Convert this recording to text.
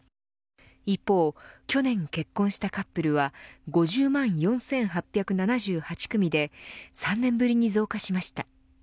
一方、去年結婚したカップルは５０万４８７８組で３年ぶりに増加しました。